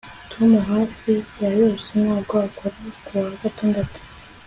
Tom hafi ya yose ntabwo akora kuwa gatandatu